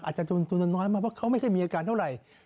อาจจะมีตัวน้อยมากเพราะเขาไม่เคยมีอาการเท่าไร